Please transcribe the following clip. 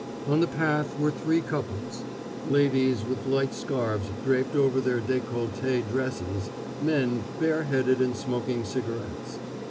On the path were three couples, ladies with light scarves draped over their décolleté dresses, men, bare headed and smoking cigarettes.